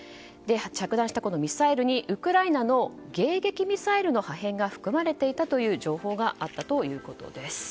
着弾したミサイルにウクライナの迎撃ミサイルの破片が含まれていたという情報があったということです。